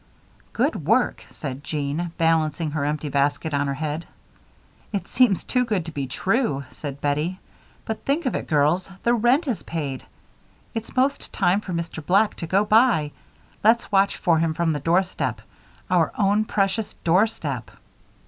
"Good work," said Jean, balancing her empty basket on her head. "It seems too good to be true," said Bettie, "but think of it, girls the rent is paid! It's 'most time for Mr. Black to go by. Let's watch for him from the doorstep our own precious doorstep."